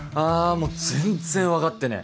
もう全然分かってねえ